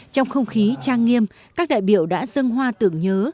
trong không khí trang nghiêm các đại biểu đã dâng hoa tưởng nhớ